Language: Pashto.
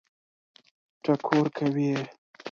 ټکور کوي یې.